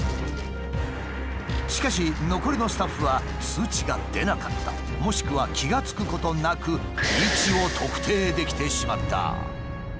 しかし残りのスタッフは通知が出なかったもしくは気が付くことなく位置を特定できてしまった。